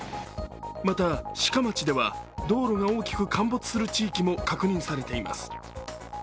また、志賀町では道路が大きく陥没する地域も確認されています。